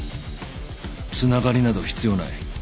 つながりなど必要ない。